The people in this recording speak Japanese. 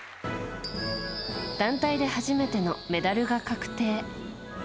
団体で初めてのメダルが確定。